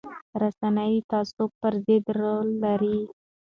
رسنۍ د تعصب پر ضد رول لري